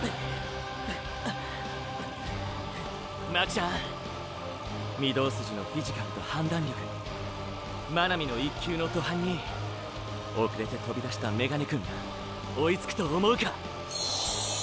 巻ちゃん御堂筋のフィジカルと判断力真波の一級の登坂に遅れてとびだしたメガネくんが追いつくと思うか？